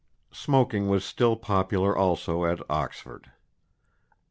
Smoking was still popular also at Oxford.